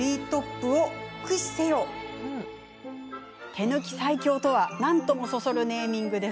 手抜き最強とは、何ともそそるネーミング。